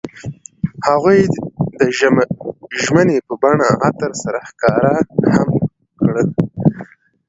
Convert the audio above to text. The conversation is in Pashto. هغوی د ژمنې په بڼه عطر سره ښکاره هم کړه.